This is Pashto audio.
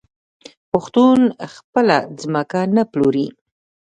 پښتون خپله ځمکه نه پلوري.